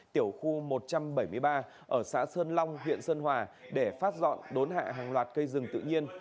tiểu khu một trăm bảy mươi ba ở xã sơn long huyện sơn hòa để phát dọn đốn hạ hàng loạt cây rừng tự nhiên